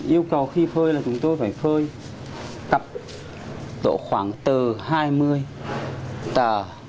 yêu cầu khi phơi là chúng tôi phải phơi cặp độ khoảng tờ hai mươi tờ